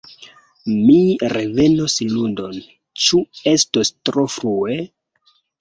Mi revenos lundon, ĉu estos tro frue?